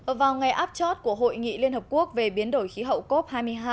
ở vào ngày áp chót của hội nghị liên hợp quốc về biến đổi khí hậu cop hai mươi hai